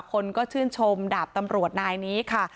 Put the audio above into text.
คนก็ชื่นชมดาบตำรวจนายนี้ค่ะ